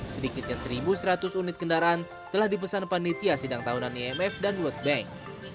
sedikitnya satu seratus unit kendaraan telah dipesan panitia sidang tahunan imf dan world bank